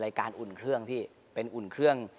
การอุ่นเครื่องพี่เป็นอุ่นเครื่อง